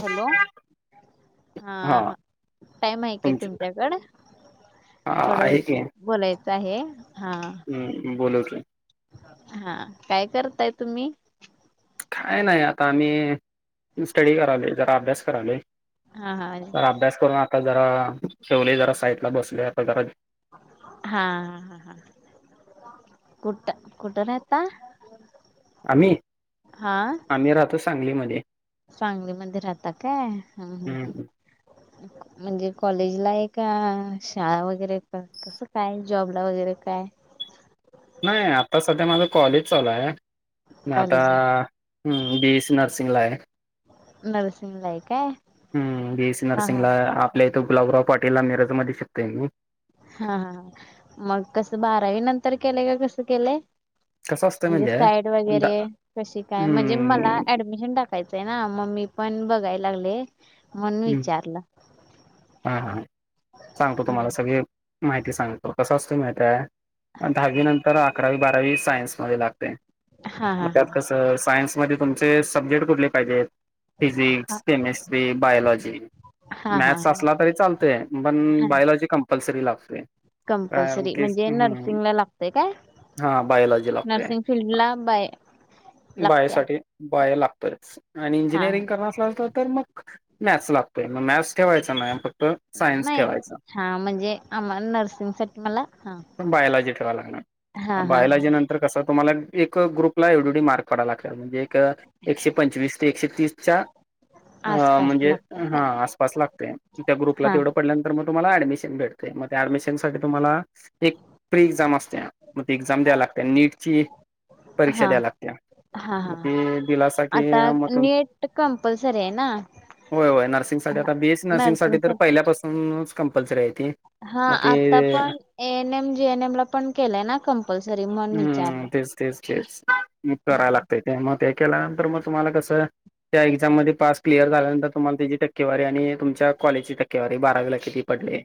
Hello [inaudible] हा. Time आहे काय तुमची तुमच्याकडं? हा आहे थोडं की बोलायचं आहे. हा हम्म. बोला की [inaudible] हा काय करताय तुम्ही? काय नाही आता आम्ही, स्टडी करायलो, जरा अभ्यास करालोयं. हा हा तर अभ्यास करून आता जरा ठेवलय जरा साईडला बसले आता जरा. हा हा हा हा कुठ, कुठ राहता? आम्ही, हा आम्ही राहतो सांगलीमध्ये. सांगलीमध्ये राहता काय. हम् हम् हम्म हम् म्हणजे कॉलेज ला आहे का शाळा वगैरे तसं काय जॉबला वगैरे काय. नाही आता सध्या माझं कॉलेज चालू आहे, मी आता कॉलेज हम् बी एस सी नर्सिंग ला आहे. नर्सिंगला हाय काय? हम्म बी एससी हा नर्सिंग हा ला आपल्या इथे गुलाबराव पाटीलला मिरज मध्ये शिकतोय मी. हा हा मग कसं बारावी नंतर केलेय का कसं केलंय? कसं असतं म्हणजे साईड द वगैरे कशी काय, म्हणजे मला हम्म ऍडमिशन टाक यचंय ना मग ममी पण बघायला लागले, म्हणुन हम्म विचारलं. हा सांगतो तुम्हाला हम्म. सगळे. माहिती सांगतो कस असंतय माहीतेय दहावी नंतर आ अकरावी बारावी सायन्स मध्ये लागतेग हा हा त्यात हा कसं तर सायन्समध्ये तुमचे सब्जेक्ट कुठले पाहिजे, हा फिजिक्स केमेस्ट्री बायोलॉजी हा हा मॅथ्स हा असला तरी चालतोय, पण बायोलॉजी कम्पल्सरी लागतोय. कंपल्सरी म्हणजे नर्सिंगला लागतंय काय? हा बायोलॉजी लागतंय. नर्सिंग फील्डला बाय लागत्या बायोसाठी बायो लागतच आणि हा हा इंजिनिअरिंग करणार अस असतं तर मग, मॅथ्स लागतोय. मॅथ्स ठेवायच नाही. फक्त सायन्स नाही ठेवायचा. हा म्हणजे आम्हाला नर्सिंग साठी मला हा बायलॉजी ठेवावा लागनार. हा हा हा बायोलॉजी नंतर कसं तुम्हाला एक ग्रुपला एवडडी मार्क पडायलागत्यात एक एकशे पंचवीस ते एकशे तीसच्या आसपास म्हणजे, लागतय हा काय आसपास लागतय त्या ग्रुपला हा तेवढं पडन तर मग तुम्हाला ऍडमिशन भेटतेय, मग त्या ऍडमिशनसाठी तुम्हाला एक प्री एक्झाम असत्या मग त एक्झाम द्या लागते नीट ची परीक्षा हा द्या लागते. हा हा ते दिलासा की मग त कंपलसरी आहे ना. होय होय नर्सिंग साठी, आता बीएससी नर्सिंग साठी तर पहिल्यापासूनच कंपल्सरी आहे ती. हा मग आता ते पण ए एनएम जीएनएम ला पण केलंय ना कंपल्सरी म्हण हम्म विचारलं. तेच तेच तेच मग कराव हम्म. लागतं. ते मग ते केल्यानंतर मग तुम्हाला कसं त्या एक्झाम मध्ये पास क्लिअर झाल्यानंतर तुम्हाला त्याची टक्केवारी आणि तुमच्या कॉलेजची टक्केवारी बारावीला किती पडले.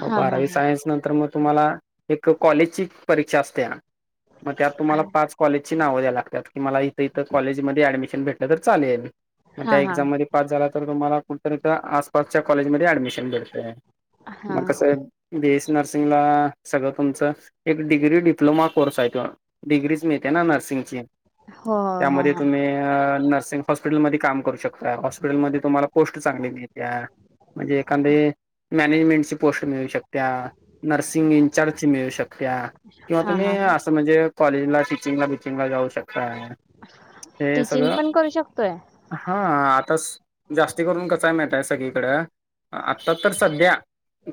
मग हा बारावी सायन्स नंतर मग तुम्हाला एक कॉलेजची परीक्षा असते. मग त्यात तुम्हाला पास कॉलेजची नाव द्या लागतात की मला इथं इथं कॉलेजमध्ये ऍडमिशन भेटलं तर चालेल मग त्या हा हा एक्झाम म पास झाला तर तुम्हाला कुठतर इथं आसपासच्या कॉलेजमध्ये ऍडमिशन भेटतय. हा मग कसं बीएससी नर्सिंगला सगळं तुमचं एक डिग्री डिप्लोमा कोर्स आहे तो. डिग्रीच मिळते ना नर्सिंगची. हो हो हो त्यामध्ये हो. तुम्ही नर्सिंग हॉस्पिटलमध्ये काम करू शकता, हॉस्पिटलमध्ये तुम्हाला पोस्ट चांगली मिळतीया म्हणजे एखांदे मॅनेजमेंटची पोस्ट मिळू शकतीया नर्सिंग इनचार्जची मिळू शकतीया. किंवा हा तुम्ही हा हा असं म्हणजे कॉलेजला टिचिंगला बिचिंगला जाऊ शकताय. हे टीचिंग सगळं पण करू शकतोय हां आताच जास्ती करून कसयं माहितीय सगळीकडं आत्ता तर सध्या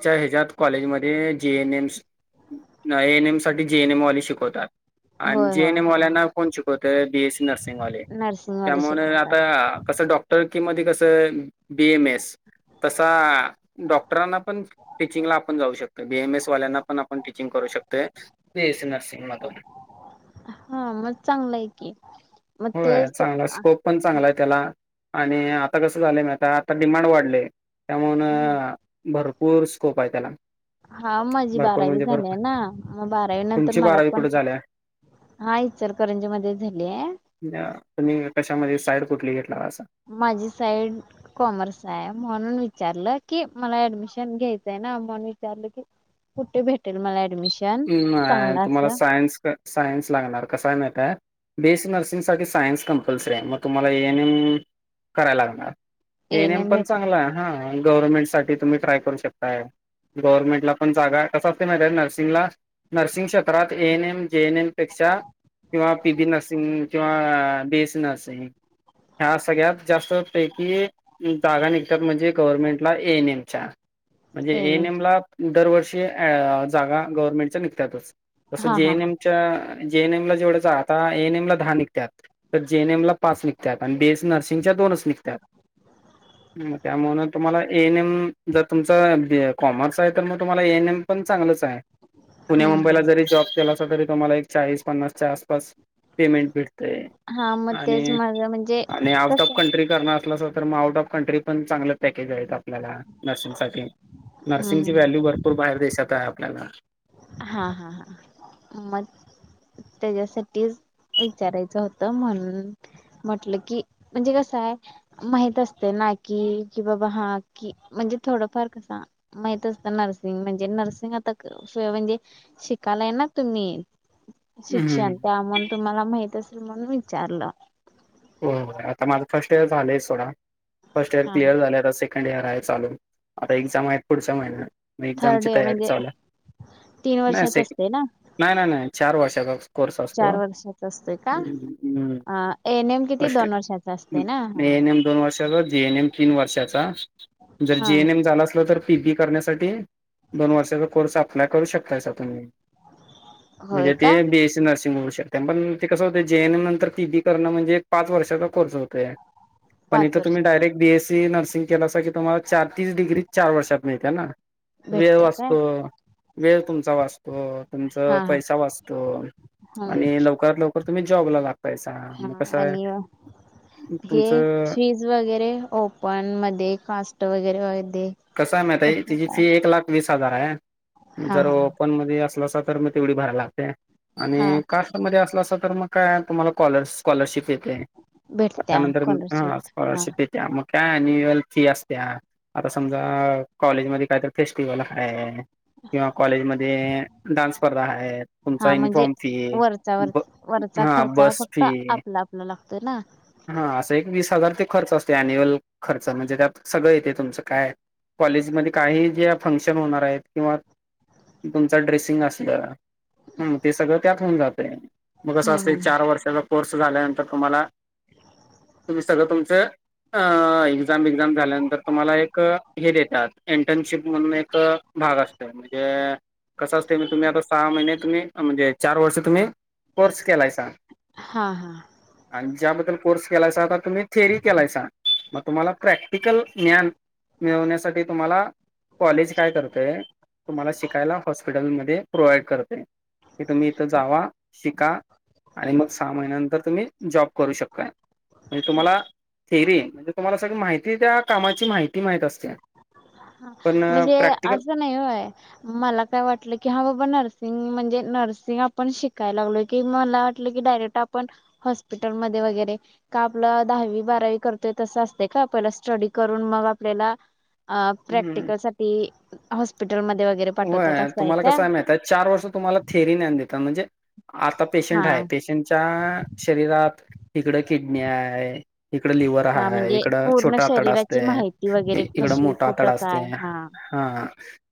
च्या हेच्यात कॉलेजमध्ये जे एन एम्स नाही एनएम साठी जेएनएम वाली शिकवतात. आणि होय जेएनएम होय वाल्यालाना कोण शिकवतय बीएससी नर्सिंगवाले नर्सिंगवाले त्यामुळे शिकवतात आता कसं डॉक्टर किम कसं बी एम एस तसा डॉक्टरांना पण टीचिंगला आपण जाऊ शकतो. बीएमएस वाल्यांना पण आपण टीचिंग करू शकतोय बीएससी नर्सिंगमधून हा म चांगलयं आहे की, मग होय तेच चांगला आ स्कोप पण चांगलयं आहे त्याला. आणि आता कसं झालंय माहीती हाय, आता डिमांड वाढलय. त्यामान भरपूर स्कोप आहे त्याला. हा माझी भरपूर बारावी म्हणजे झालीय भरपूर ना, म बारावीनंतर तुमची मला बारावी पण कुठे झाल्या हा इचलकरंजीमध्येच झालीया. त कुणी कशामध्ये साईड कुठली घेतला असं? माझी साईड कॉमर्स हायं म्हणून विचारलं की, मला ऍडमिशन घ्यायचंय ना म्हणून विचारलं की कुठे भेटेल मला ऍडमिशन नाही चांगला तुम्हाला असं सायन्स, सायन्स लागणार कसाय माहीती हाय. बीएससी नर्सिंगसाठी सायन्स कंपल्सरी आहे, मग तुम्हाला एएनएम कराय लागणार. एन एएनएम एम पण भेट चांगला हाय हा गव्हर्नमेंटसाठी तुम्ही ट्राय करू शकताय. गव्हर्नमेंट ला पण जागा, कसं असतयं माहीती हाय नर्सिंगला नर्सिंग क्षेत्रात एएनएम, जेएनएम पेक्षा किंवा पीबी नर्सिंग किंवा बीएससी नर्सिंग ह्या सगळ्यात जास्त पैकी जागा निघतात म्हणजे गव्हर्नमेंटला एएनएमच्या. म्हणजे एन एम एएनएम ला दरवर्षी अहं जागा गव्हर्नमेंटच्या निघतातच. तसं हा हा हा जेएनएमच्या जेएनएम ला जेवढ्या जा आता एएनएम ला दहा निकत्यात. तर जेएनएम ला पाच निघत्यात, आणि बीएससी नर्सिंगच्या दोनच निघत्यात. [inaudible] त्यामुळं न तुम्हाला एएनएम जर तुमचं, कॉमर्स आहे तर मग तुम्हाला एएनएम पण चांगलच हायं. पुण्या मुंबईला हम्म जरी जॉब केला असा तरी, तुम्हाला एक चाळीस पन्नासच्या आसपास पेमेंट भेटतयं. हा मग तेच आणि, माझं म्हणजे आणि आउट ऑफ कसं कंट्री करणार असला तर मग आउट ऑफ कंट्रीपण चांगलंच पॅकेज आहेत. आपल्याला नर्सिंगसाठी नर्सिंगची हम्म व्हॅल्यू भरपूर बाहेर देशात आहे आपल्याला. हा हा हा मग तेच्यासाठीच विचारायचं होतं म्हणून म्हटलं की म्हणजे कसं. माहित असतयं ना की, की बाबा हा की म्हणजे थोडंफार कसं माहित असत नर्सिंग म्हणजे, नर्सिंग आता कसं म्हणजे शिकालाय ना तुम्ही, हम्म. शिक्षण त्यामन तुम्हाला माहित असेल म्हणून विचारलं. होय होय आता माझं फर्स्ट इयर झालंय सोडा, फर्स्ट इयर हा क्लिअर झालय आता से कंड इयर आहे चालू, आता एक्झाम आहे पुढच्या महिन्या मग एक्झाम थर्ड ची इयर तयारी म्हणजे चालूय. तीन वर्षाच असतेय ना. नाही नाही नाही चार वर्षाचा कोर्स असतो. चार वर्षाच NM first year, A N M दोन वर्षाचा, जी एन एम तीन वर्षाचा. जर हा जी एन एम झाला असलं तर पी बी करण्यासाठी, दोन वर्षाचा कोर्स अप्लाय करू शकताय सा तुम्ही. होय म्हणजे ते का बी एस सी नर्सिंग म्हणू शकताय, मग ते कसं होतेय जी एन एम नंतर पी बी करणं म्हणजे ते एक पाच वर्षाचा कोर्स होतोय, पण इथ पाच तुम्ही वर्षात direct B S C nursing केलासा की तुम्हाला चार, तीचं डिग्री चार वर्षात मिळते ना. वेळ भेटत्या काय वाचतो. वेळ तुमचा वाचतो, तुमच हा पैसा वाचतो, हा आणि लवकर लव कर तुम्ही जॉबला लागतायसा. हा कसं आणि अह आहे हे तुमचं शी फीज वगैरे ओपन मध्ये, कास्ट वगैरे मध्ये. कसं आहे माहितीय कसं तिची काय फी एक लाख वीस हजार आहे हा जर हा ओपन मध्ये असलसा तर मग तेवढी भरायला लागते हा आणि कास्ट मध्ये असलं असं तर मग काय तुम्हाला कॉलर स्कॉलरशिप येत ते मग भेटत्या त्यानंतर ह स्कॉलरशिप हा स्कॉलरशिप येते मग काय अनुअल फी असतेया आता समजा कॉलेजमध्ये कायतर फेस्टिवल आहे किंवा कॉलेजमध्ये डान्स स्पर्धा आहे, तुमचा हा म्हणजे युनिफॉर्म फी वरचा वर ब वरचा हा खर्चा बस फक्त फी आपला आपला लागतोय ना प हा असं एक वीस हजार ते खर्च असते अन्युअल खर्च म्हणजे त्यात सगळं येते तुमच काय कॉलेजमध्ये काही जे फंक्शन होणार आहेत किंवा तुमच ड्रेसिंग असल हम्म ते सगळ त्यात होऊन जात मग अस हम्म असते हम्म. चार वर्षाचा झाल्यानंतर तुम्हाला तुम्ही सगळ तुमच अह इन एक्झाम बीक्झाम झाल्यांतर तुम्हाला एक हे देतात इंटर्नशिप म्हणून एक भाग असतो म्हणजे कसं असत म तुम्ही आता सहा महिने तुम्ही म्हणजे चार वर्ष तुम्ही कोर्स केलाय सा हा हा. आणि ज्याबद्दल कोर्स केलायसा आता तुम्ही थेअरी केलायसा मग तुम्हाला प्रॅक्टिकल ज्ञान मिळवण्यासाठी तुम्हाला कॉलेज काय करतय तुम्हाला शिकायला हॉस्पिटलमध्ये प्रोवाईड करतय. की तुम्ही इथं जावा शिका आणि मग सहा महिन्यानंतर तुम्ही जॉब करू शकताय म्हणजे तुम्हाला थेअरी म्हणजे तुम्हाला सगळी माहिती त्या कामाची माहिती माहीत असते. हा पण म्हणजे प्रॅक्टिकल असं नाही व्हय मला काय वाटलं की हा बाबा नर्सिंग म्हणजे नर्सिंग आपण शिकायला लागलो की मला वाट की डायरेक्ट आपण हॉस्पिटलमध्ये वगैरे का आपलं दहावी बारावी करतोय तसं असते का पहिल स्टडी करून मग आपल्याला अह हम्म प्रॅक्टिकलसाठी हॉस्पिटलमध्ये वगैरे पाठवतात व्हय असं तुम्हाला का? कसं आहे माहिती चार वर्ष तुम्हाला थेरी ज्ञान देतात म्हणजे आता पेशंट हा आहे पेशंटच्या शरीरात इकडं किडनी आहे इकडं लिवर हा हाय, म्हणजे इकड पूर्ण छोटं आतड असते, शरीराची माहिती वगैरे इकड कशी मोठं आतड कुठं असते काय हा हा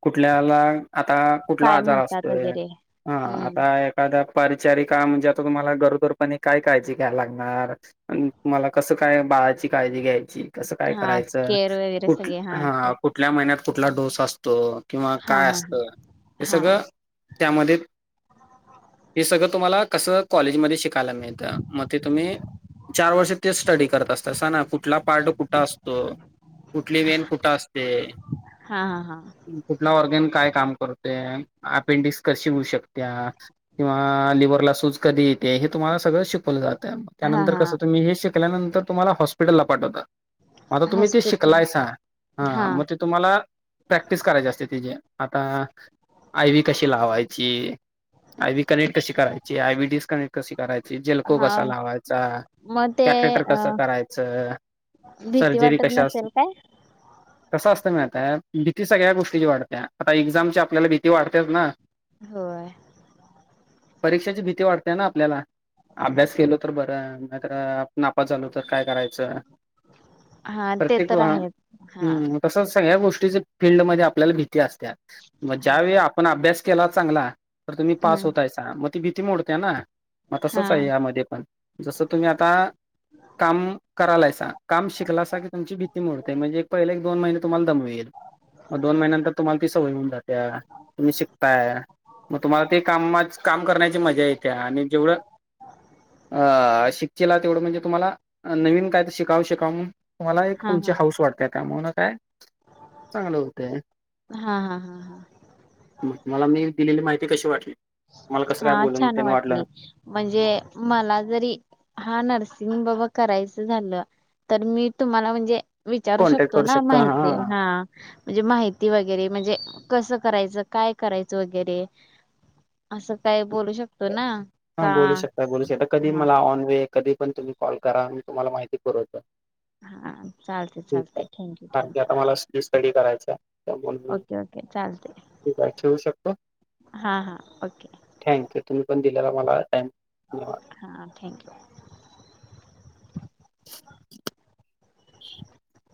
कुठल्याला आता कुठला काय आजार म्हणतात असतोय वगैरे हा हम्म आता परिचारिका म्हणजे आता तुम्हाला गरोदरपणे काय काळजी घ्यायला लागणार. आणि तुम्हाला कसं काय बाळाची काळजी घ्यायची. कस काय हा करायचं केअर वगैरे कुठ सगळे हा ठीक आहे कुठल्या महिन्यात कुठला डोस असतो किंवा हा काय हा असतं हे हा हा सगळं त्यामध्ये हे सगळं तुम्हाला कसं कॉलेजमध्ये शिकायला मिळेल. मग ते तुम्ही चार वर्ष ते स्टडी करत असतात स ना कुठला पार्ट कुठं असतो. कुठली वेण कुठं असते. हा हा हा. कुठला ऑर्गेन काय काम करते अपेंडिक्स कशी होऊ शकत. किंवा लिव्हर ला सूज कधी ते हे तुम्हाला सगळं शिकवलं जातंग हा त्यानंतर हा कसं तुम्ही हे शिकल्यानंतर तुम्हाला हॉस्पिटलला पाठवतात. आता तुम्ही ते हॉस्पिटल शिकलायच हा मग ते तुम्हाला प्रॅक्टिस करायची असते तिजे आता आय वी कशी लावायची आय व कनेक्ट कशी करायची आय व डिस्कनेक्ट कशी करायची जेलको हा कसा लावायचा मग ते कॅटेटर अ कसं करायचं. भीती सर्जरी वाटत कशा असली. नसेल काय? कसं असतं माहितीतय भीती सगळ्या गोष्टीची वाढते आता एक्झाम ची आपल्याला भीती वाढतेच ना. होय. परीक्षेची भीती वाढतेय ना आपल्याला. अभ्यास केलो तर बरं मत नापात झालो तर काय करायचं. हा ते प्रत्येक तर आहेत. हा हम्म तस सगळ्या गोष्टीच फिल्डमध्ये आपल्याला भीती असत मग ज्या हा. वळी आपण अभ्यास केला चांगला तर तुम्ही पास हम्म होतायच. मग ती भीती मोडते ना मग हा तसच आहे यामध्ये पण जसं तुम्ही आता काम करालाय काम शिकलासा की तुमची भीती मोडते म्हणजे एक पहिले एक दोन महिने तुम्हाला दम येईल. मग दोन महिन्यांतर तुम्हाला ती सवय होऊन जाते तुम्ही शिकताय. मग तुम्हाला ते काम काम करण्याची मजा येते आणि जेवढं अ शिककीला तेवढं म्हणजे तुम्हाला नवीन काय तर शिकाव शिकाव तुम्हाला एक हा तुमचे हा हाऊस वाटतेय का म्हणून काय चांगलं होते. हा हा हा. हा मग मला मी दिलेली माहिती कशी वाटली त मला कसं आहे हा बोलून छान त्यांना वाटलं. वाटली. म्हणजे मला जरी हा नर्सिंग बाबा करायचं झालं तर मी तुम्हाला म्हणजे विचारू कॉन्टॅक्ट शकतो करू ना शकता. माहिती हां. हा. म्हणजे माहिती वगैरे म्हणजे कसं करायचं काय करायचं वगैरे. असं काही बोलू शकतो ना. हा का बोलू शकता बोलू शकता कधी हा मला ऑन वे कधी पण तुम्ही कॉल करा मी तुम्हाला माहिती पुरवतो. [inaudible] हा चालते. ठीक चालते आहे थँक्यू कारन की थँक्यू आता मला स्टडी करायच म्हून मी ओके ओके चालतय. ठीक आहे ठेवू शकतो. हा हा ओके. थँक्यू तुम्ही पण दिलेला मला धन्यवाद. हां थँक्यू. [inaudible]